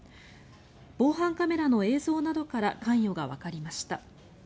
防犯カメラの映像などから関与がわかりました。